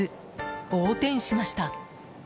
横転しました。